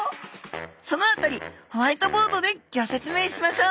そのあたりホワイトボードでギョ説明しましょう！